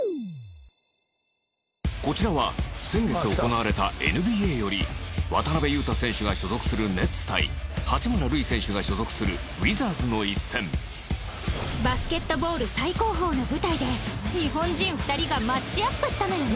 こちらは先月行われたＮＢＡより渡邊雄太選手が所属するネッツ対八村塁選手が所属するウィザーズの一戦バスケットボール最高峰の舞台で日本人２人がマッチアップしたのよね